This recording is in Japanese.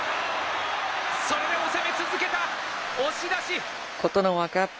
それでも攻め続けた、押し出し。